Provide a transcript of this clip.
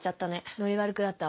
ノリ悪くなったわ。